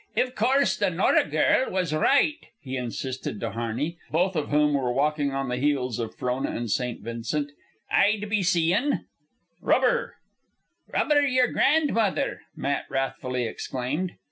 "Iv course the Nora girl was right," he insisted to Harney, both of whom were walking on the heels of Frona and St. Vincent. "I'd be seein' " "Rubber " "Rubber yer gran'mother!" Matt wrathfully exclaimed.